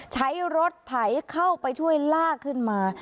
ใช้รถไถเข้าไปช่วยลากขึ้นมา